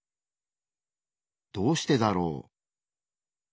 どうしてだろう？